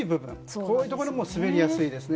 こういうところも滑りやすいですね。